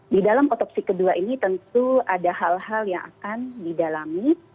di dalam otopsi kedua ini tentu ada hal hal yang akan didalami